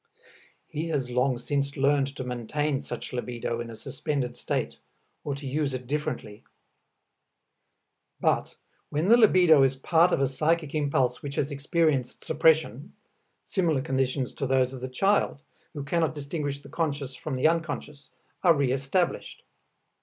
He has long since learned to maintain such libido in a suspended state or to use it differently. But when the libido is part of a psychic impulse which has experienced suppression, similar conditions to those of the child, who cannot distinguish the conscious from the unconscious, are reëstablished.